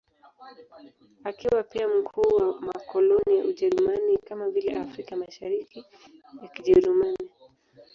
Akiwa pia mkuu wa makoloni ya Ujerumani, kama vile Afrika ya Mashariki ya Kijerumani.